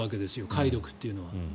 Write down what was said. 貝毒というのは。